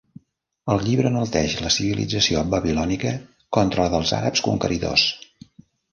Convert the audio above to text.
El llibre enalteix la civilització babilònica contra la dels àrabs conqueridors.